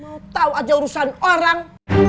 mau tau aja urusan orang